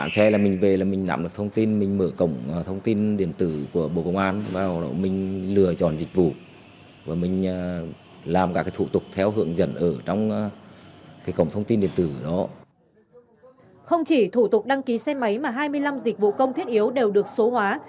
không chỉ thủ tục đăng ký xe máy mà hai mươi năm dịch vụ công thiết yếu đều được số hóa